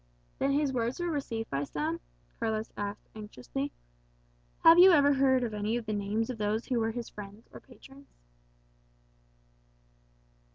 "Then his words were received by some?" Carlos asked anxiously. "Have you ever heard the names of any of those who were his friends or patrons?"